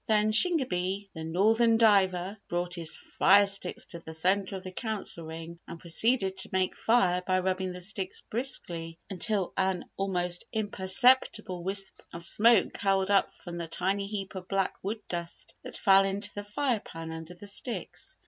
Then Shingebis, "The Northern Diver," brought his fire sticks to the centre of the Council Ring and proceeded to make fire by rubbing the sticks briskly until an almost imperceptible wisp of smoke curled up from the tiny heap of black wood dust that fell into the fire pan under the sticks.